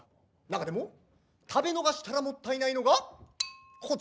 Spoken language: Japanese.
中でも食べ逃したらもったいないのがこちらの一品。